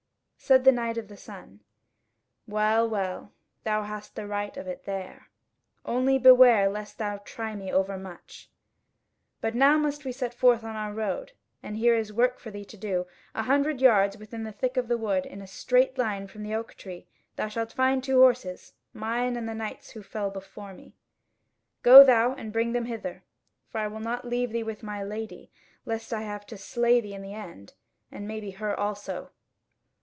Said the Knight of the Sun: "Well, well, thou hast the right of it there. Only beware lest thou try me overmuch. But now must we set forth on our road; and here is work for thee to do: a hundred yards within the thick wood in a straight line from the oak tree thou shalt find two horses, mine and the knight's who fell before me; go thou and bring them hither; for I will not leave thee with my lady, lest I have to slay thee in the end, and maybe her also."